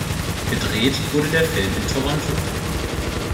Gedreht wurde der Film in Toronto.